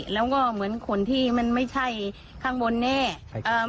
แล้วว่าเหมือนขนที่มันไม่ใช่ข้างบนเนี่ย